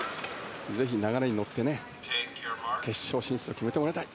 ぜひ流れに乗って決勝進出を決めてもらいたい。